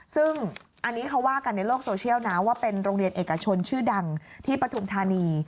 ซึ่งอันนี้เขาว่ากันในโลกโซเชียลนะว่าเป็นโรงเรียนเอกชนชื่อดังที่ปฐุมธานี